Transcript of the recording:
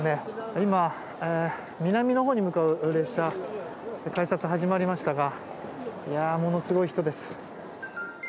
今、南のほうに向かう列車改札始まりましたがものすごい人です。